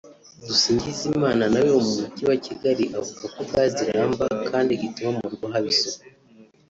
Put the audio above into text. Dusingizimana na we wo mu Mujyi wa Kigali avuga ko gaz iramba kandi ituma mu rugo haba isuku